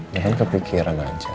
ya kan kepikiran aja